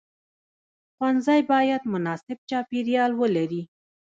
ښوونځی باید مناسب چاپیریال ولري.